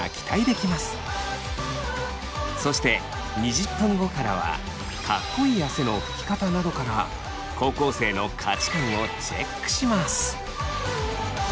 そして２０分後からは「かっこいい」汗のふき方などから高校生の価値観をチェックします。